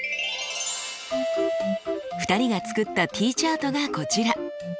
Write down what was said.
２人が作ったＴチャートがこちら。